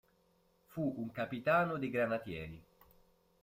Fu un capitano dei granatieri.